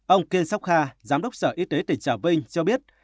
ông kiên sóc kha giám đốc sở y tế tỉnh trà vinh cho biết